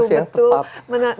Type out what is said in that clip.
manusia yang tepat